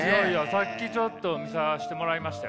さっきちょっと見させてもらいましたよ。